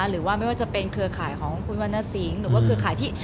หรือว่าไม่ว่าจะเป็นเครือข่ายของคุณวรรณสิงห์หรือว่าเครือข่ายที่